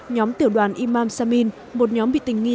nhóm tiểu đoàn imam samin một nhóm bị tình nghi